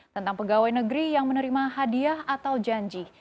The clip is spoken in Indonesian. tentang pegawai negeri yang menerima hadiah atau janji